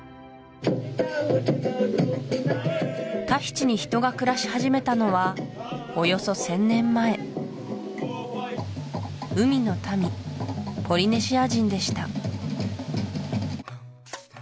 タヒチに人が暮らし始めたのはおよそ１０００年前海の民ポリネシア人でした